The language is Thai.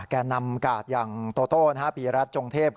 แกนำกาดอย่างโตต้นห้าปีแหรทจงเทพ